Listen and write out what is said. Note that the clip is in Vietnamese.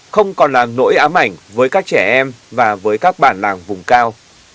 không còn là nỗi ám ảnh với các trẻ em và với các bản làng vùng cao